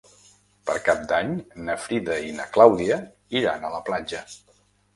Per Cap d'Any na Frida i na Clàudia iran a la platja.